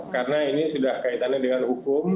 karena ini sudah kaitannya dengan hukum